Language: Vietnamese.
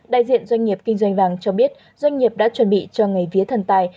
đại diện doanh nghiệp kinh doanh vàng cho biết doanh nghiệp đã chuẩn bị cho ngày vía thần tài